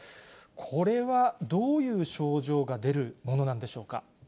これはどういう症状が出るものなんでしょうか。